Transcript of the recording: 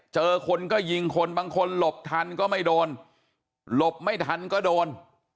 เจอคนก็ยิงคนบางคนหลบทันก็ไม่โดนหลบไม่ทันก็โดน